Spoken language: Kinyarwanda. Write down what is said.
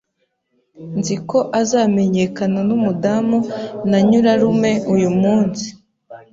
Nzi ko azamenyekana numudamu na nyirarume uyumunsi.